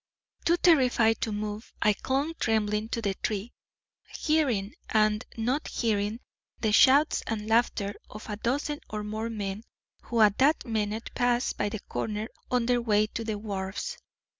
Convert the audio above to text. Too terrified to move, I clung trembling to the tree, hearing and not hearing the shouts and laughter of a dozen or more men, who at that minute passed by the corner on their way to the wharves.